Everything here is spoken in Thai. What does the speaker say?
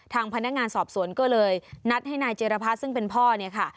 ทางพนักงานสอบสวนก็เลยนัดให้นายเจรพัฒน์ซึ่งเป็นพ่อเนี่ยค่ะ